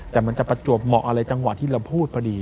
แต่มันจะประจวบเหมาะอะไรจังหวะที่เราพูดพอดี